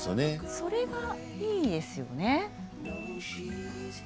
それがいいですよね。